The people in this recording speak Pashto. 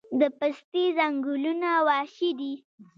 د پستې ځنګلونه وحشي دي؟